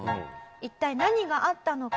一体何があったのか？